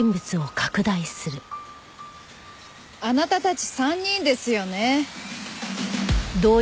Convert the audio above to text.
あなたたち３人ですよね。